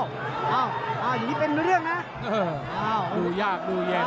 อ้าวอ้าวอย่างนี้เป็นเรื่องนะอ้าวดูยากดูเย็น